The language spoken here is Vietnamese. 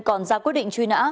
còn ra quyết định truy nã